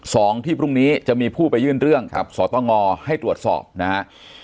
สองที่พรุ่งนี้จะมีผู้ไปยื่นเรื่องกับสตงให้ตรวจสอบนะฮะ